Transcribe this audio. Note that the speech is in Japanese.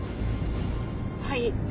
はい。